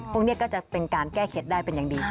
พวกนี้ก็จะเป็นการแก้เข็ดได้เป็นอย่างดี